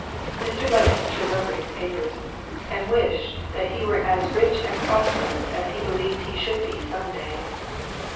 Mr. Lennox turned over his papers, and wished that he were as rich and prosperous as he believed he should be some day.